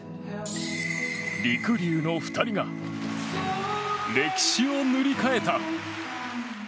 りくりゅうの２人が歴史を塗り替えた。